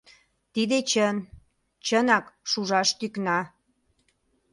Тиде чын, чынак шужаш тӱкна.